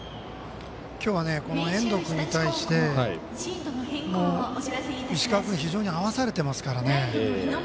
今日は遠藤君に対して石川君、非常に合わされていますからね。